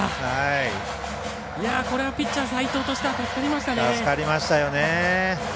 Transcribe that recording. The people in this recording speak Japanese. これはピッチャー齋藤としては助かりましたね。